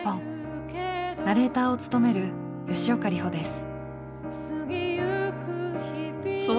ナレーターを務める吉岡里帆です。